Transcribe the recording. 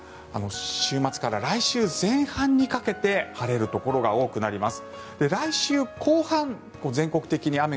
週末から来週前半にかけて晴れるところが多くなります。